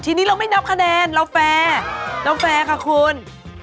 ทีนี้เราไม่นับคะแนนเราแฟร์เราแฟร์ค่ะคุณ